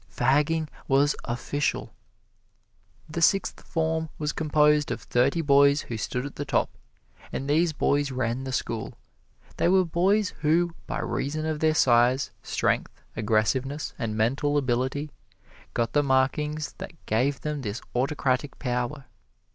Fagging was official. The Sixth Form was composed of thirty boys who stood at the top, and these boys ran the school. They were boys who, by reason of their size, strength, aggressiveness and mental ability, got the markings that gave them this autocratic power.